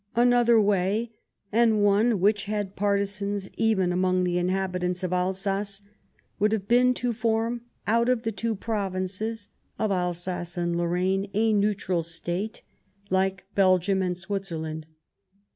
" Another way — and one which had partisans even among the inhabitants of Alsace — would have been to form out of the two Provinces of Alsace and Lorraine a neutral State like Belgium and Switzer land.